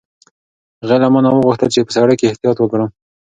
هغې له ما نه وغوښتل چې په سړک کې احتیاط وکړم.